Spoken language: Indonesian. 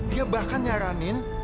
dia bahkan nyaranin